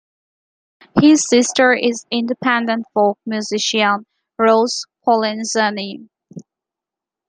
His sister is independent folk musician Rose Polenzani.